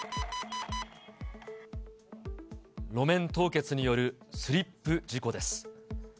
路面凍結によるスリップ事故です。